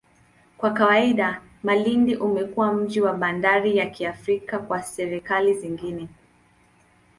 Kwa kawaida, Malindi umekuwa mji na bandari ya kirafiki kwa serikali zingine.